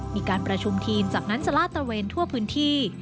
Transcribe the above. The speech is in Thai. มีการประชุมทีมจากนั้นจะลาดตระเวนทั่วพื้นที่